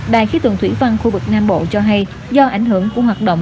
đài khí tượng thủy văn khu vực nam bộ cho hay do ảnh hưởng của hoạt động